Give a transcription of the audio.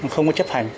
không có chấp hành